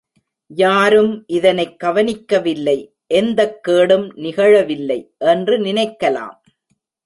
யாரும் இதனைக் கவனிக்கவில்லை எந்தக் கேடும் நிகழவில்லை என்று நினைக்கலாம்.